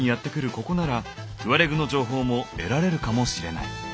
ここならトゥアレグの情報も得られるかもしれない。